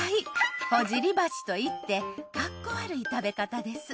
ほじりばしといってかっこ悪い食べ方です。